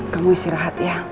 kamu istirahat ya